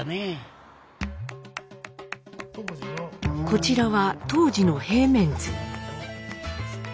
こちらは当時の平面図。